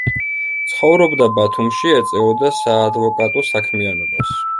ცხოვრობდა ბათუმში, ეწეოდა საადვოკატო საქმიანობას.